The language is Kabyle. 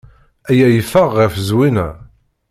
Aya yeffeɣ ɣef Zwina.